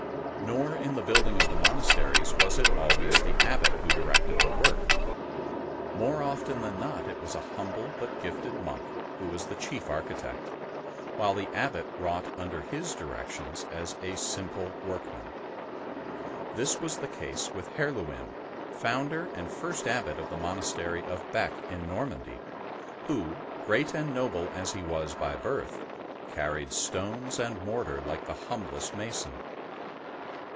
Nor in the building of the monasteries was it always the Abbot who directed the work. More often 120 ST. BENEDICT than not it was a humble but gifted monk who was chief architect, while the Abbot wrought under his directions as a simple workman. This was the case with Herluin, founder and first Abbot of the monastery of Bee in Normandy, who, great and noble as he was by birth, carried stones and mortar like the humblest mason.